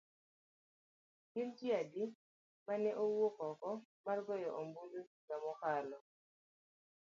Gin ji adi ma ne owuok oko mar goyo ombulu higa mokalo.